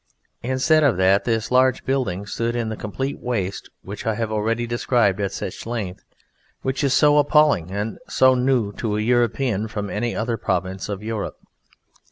Instead of that this large building stood in the complete waste which I have already described at such length, which is so appalling and so new to an European from any other province of Europe.